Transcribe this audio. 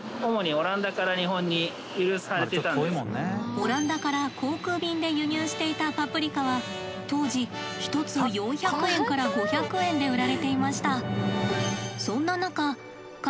オランダから航空便で輸入していたパプリカは当時１つ４００円から５００円で売られていました。